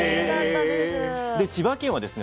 千葉県はですね